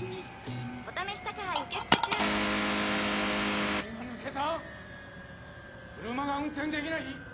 腰が抜けた⁉車が運転できない⁉